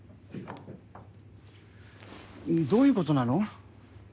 どういうことなの？